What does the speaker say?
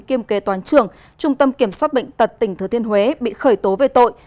kiêm kế toàn trường trung tâm kiểm soát bệnh tật tỉnh thừa thiên huế bị khởi tố về tội